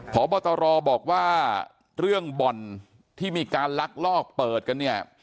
พบตรบอกว่าเรื่องบ่อนที่มีการลักลอบเปิดกันเนี่ย